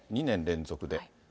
２年連続で。